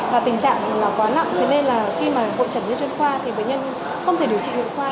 và tình trạng là quá nặng thế nên là khi mà bộ trận như chuyên khoa thì bệ nhân không thể điều trị lượng khoa